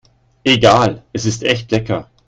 Egal, es ist echt lecker.